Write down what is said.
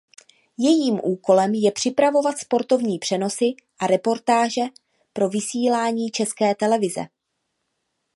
Jejím úkolem je připravovat sportovní přenosy a reportáže pro vysílání České televize.